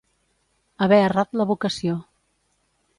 Haver errat la vocació.